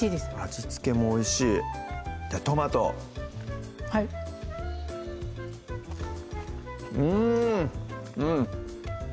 味付けもおいしいじゃあトマトうんうん！